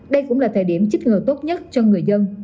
đây cũng là thời điểm chích ngừa tốt nhất cho người dân